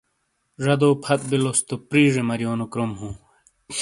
جدو پھت بِلوس تو پرِیجے مَریونو کروم ہوں۔